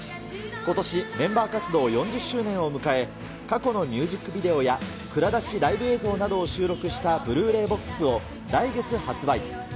ことし、メンバー活動４０周年を迎え、過去のミュージックビデオや蔵出しライブ映像などを収録したブルーレイボックスを来月発売。